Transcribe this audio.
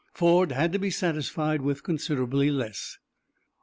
Ford had to be satisfied with considerably less.